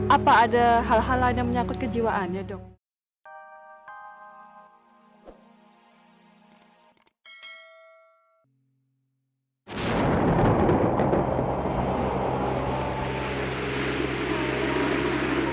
apa ada hal hal lain yang menyangkut kejiwaannya dok